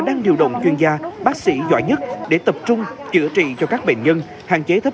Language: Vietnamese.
đang điều động chuyên gia bác sĩ giỏi nhất để tập trung chữa trị cho các bệnh nhân hạn chế thấp